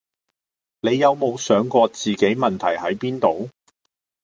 你有無想過自己問題係邊度？